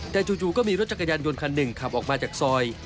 แต่จู่ก็มีรถจักรยานยนต์คันหนึ่งขับออกมาจากซอย